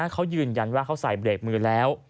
เขายืนยันว่าเขาใส่เบรกมือแล้ว